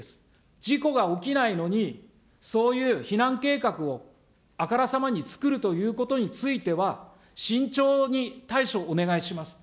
事故が起きないのに、そういう避難計画をあからさまにつくるということについては、慎重に対処お願いします。